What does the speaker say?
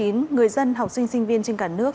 người dân học sinh sinh viên trên cả nước